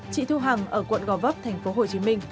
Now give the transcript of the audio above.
chị thu hằng ở quận gò vấp tp hcm